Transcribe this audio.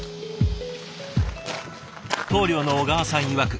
棟梁の小川さんいわく